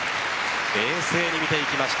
冷静に見ていきました。